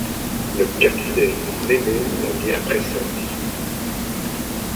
Le capitaine Nemo l’a bien pressenti !